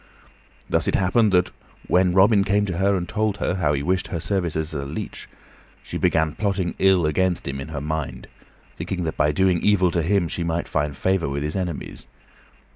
Thus it happened that when Robin came to her and told her how he wished her services as leech, she began plotting ill against him in her mind, thinking that by doing evil to him she might find favor with his enemies.